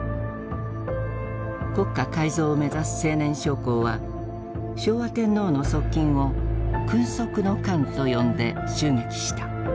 国家改造を目指す青年将校は昭和天皇の側近を「君側の奸」と呼んで襲撃した。